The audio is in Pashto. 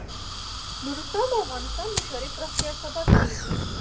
نورستان د افغانستان د ښاري پراختیا سبب کېږي.